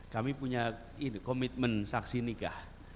kami punya komitmen saksi nikah